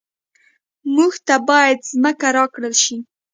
موږ ته باید ځمکه راکړل شي